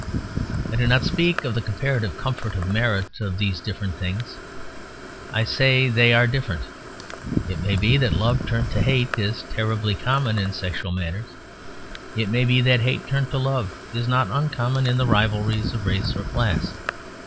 I do not speak of the comparative comfort or merit of these different things: I say they are different. It may be that love turned to hate is terribly common in sexual matters: it may be that hate turned to love is not uncommon in the rivalries of race or class.